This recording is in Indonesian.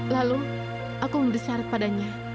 lalu aku mengundur syarat padanya